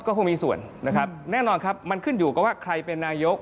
ก็คงมีส่วนนะครับแน่นอนครับมันขึ้นอยู่กับว่าใครเป็นนายก